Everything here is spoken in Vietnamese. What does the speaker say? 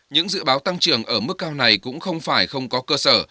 những dự báo tăng trưởng ở mức cao này cũng không phải không có cơ sở